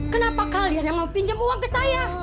kenapa kalian yang mau pinjam uang ke saya